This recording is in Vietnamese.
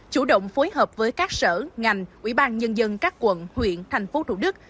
chủ động phối hợp với các sở ngành ủy ban nhân dân các quận huyện thành phố thủ đức